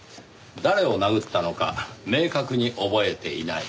誰を殴ったのか明確に覚えていない。